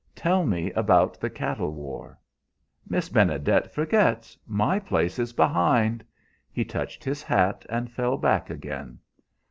'Tell me about the cattle war.' "'Miss Benedet forgets my place is behind.' He touched his hat and fell back again.